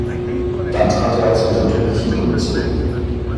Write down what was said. Dann trat er aus gesundheitlichen Gründen zurück.